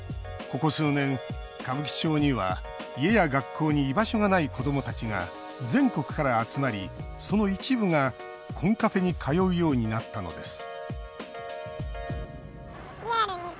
ここ数年、歌舞伎町には家や学校に居場所がない子どもたちが全国から集まりその一部が、コンカフェに通うようになったのです